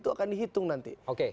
tidak sesuai dengan nilai keadilan